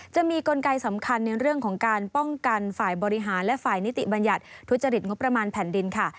จะมีกลไกสำคัญในเรื่องของการป้องกันฝ่ายบริหารและฝ่ายนิติบัญญัติทุจริตงบประมาณแผ่นดินค่ะ